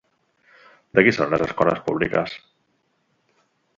De qui són les escoles públiques?